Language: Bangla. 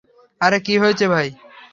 আরে, কি হয়েছে ভাই?